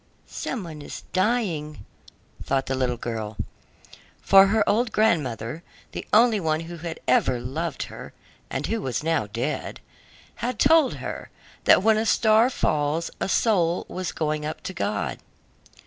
"Some one is dying," thought the little girl, for her old grandmother, the only one who had ever loved her, and who was now dead, had told her that when a star falls, a soul was going up to God.